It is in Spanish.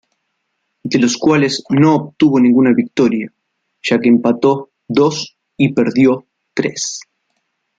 De los cuales no obtuvo ninguna victoria ya que empató dos y perdió tres.